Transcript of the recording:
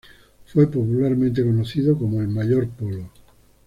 Fue popularmente conocido como el Mayor Polo.